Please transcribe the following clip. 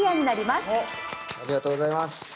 ありがとうございます。